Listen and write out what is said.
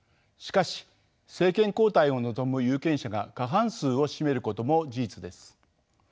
しかし政権交代を望む有権者が過半数を占めることも事実です。